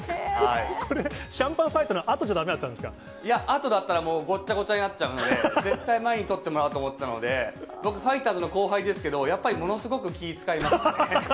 これ、シャンパンファイトのいや、あとだったらもうごっちゃごちゃになっちゃうので、絶対前に撮ってもらおうと思ってたんで、僕、ファイターズの後輩ですけど、やっぱりものすごく気遣いますね。